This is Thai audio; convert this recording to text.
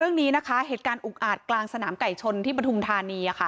เรื่องนี้นะคะเหตุการณ์อุกอาจกลางสนามไก่ชนที่ปฐุมธานีค่ะ